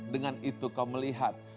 dengan itu kau melihat